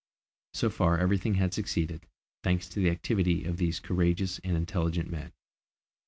So far, everything had succeeded, thanks to the activity of these courageous and intelligent men.